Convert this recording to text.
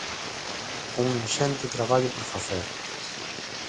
Un inxente traballo por facer.